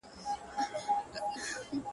د ژوند ستا په مينه باندې ساز دی,